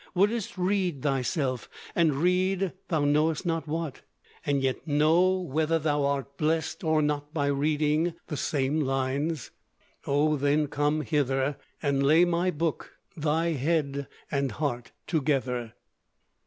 Wouldst read thyself, and read, thou knowst not what, And yet know whether thou art blest or not By reading the same lines? O then come hither! And lay my book, thy head, and heart together."